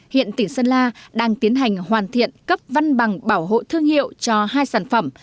hiện tỉnh sơn la đang tiến hành hoàn thiện cấp văn bằng bảo hộ thương hiệu cho hai sản phẩm